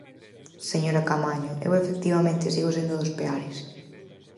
Señora Caamaño, eu, efectivamente, sigo sendo dos Peares.